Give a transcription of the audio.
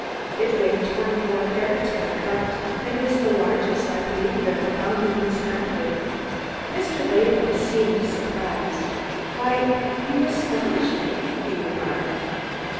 It weighed twenty four carats when cut, and is the largest, I believe, ever found in this country." Mr. Latham seemed surprised. "Why, you astonish me," he remarked.